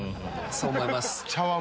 そう思います。